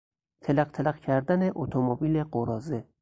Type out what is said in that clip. تلقتلق کردن اتومبیل قراضه